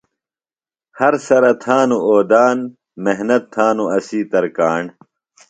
ہر سرہ تھانوۡ اودان، محۡنت تھانوۡ اسی ترکاݨ